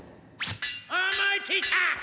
思いついた！